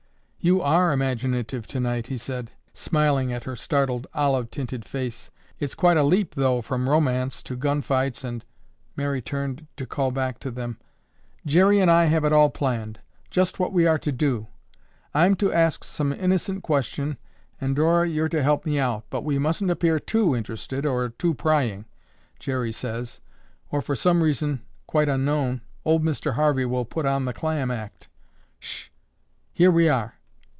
"You are imaginative tonight," he said, smiling at her startled, olive tinted face. "It's quite a leap, though, from romance to gunfights and—" Mary turned to call back to them, "Jerry and I have it all planned, just what we are to do. I'm to ask some innocent question and, Dora, you're to help me out, but we mustn't appear too interested or too prying, Jerry says, or for some reason, quite unknown, old Mr. Harvey will put on the clam act. Shh! Here we are!